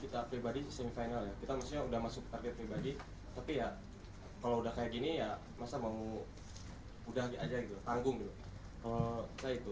terima kasih semifinal ya kita maksudnya udah masuk target pribadi tapi ya kalau udah kayak gini ya masa mau udah aja gitu tanggung